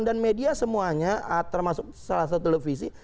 dan media semuanya termasuk salah satu televisi